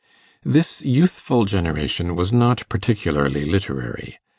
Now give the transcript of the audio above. This youthful generation was not particularly literary.